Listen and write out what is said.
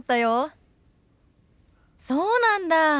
そうなんだ。